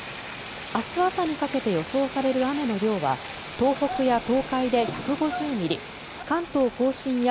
明日朝にかけて予想される雨の量は東北や東海で１５０ミリ関東・甲信や